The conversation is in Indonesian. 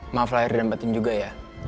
maf lahir di tempat ini juga ya